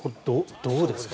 どうですか？